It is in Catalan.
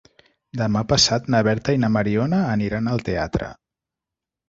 Demà passat na Berta i na Mariona aniran al teatre.